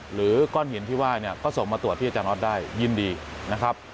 หรือก้อนหินที่ไหว้ก็ส่งมาตรวจที่จังรถได้ยินดีนะครับ